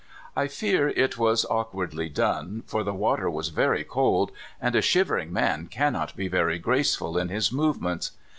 I fear it was awkwardly done, for the water was very cold, and a shivering man cannot be very graceful in his movements.